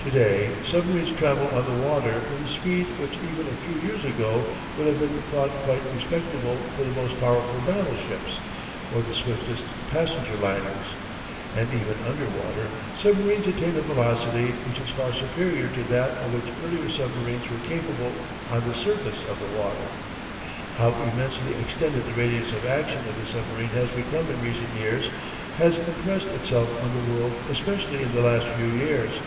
To day submarines travel on the water with a speed which even a few years ago would have been thought quite respectable for the most powerful battleships or the swiftest passenger liners. And even under water, submarines attain a velocity which is far superior to that of which earlier submarines were capable on the surface of the water. How immensely extended the radius of action of the submarine has become in recent years, has impressed itself on the world especially in the last few years.